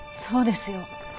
そうですよ。